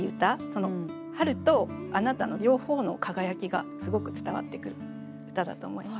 「春」と「あなた」の両方の輝きがすごく伝わってくる歌だと思います。